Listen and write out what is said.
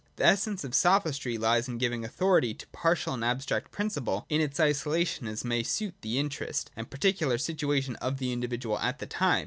The essence of Sophistry lies in giving authority to a partial and abstract principle, in its isolation, as may suit the interest and particular situation of the individual at the time.